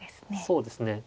そうですね。